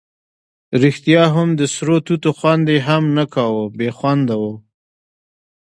ریښتیا هم د سرو توتو خوند یې هم نه کاوه، بې خونده وو.